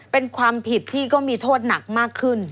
เป็นความผิดที่ก็มีโทษหนักมากขึ้น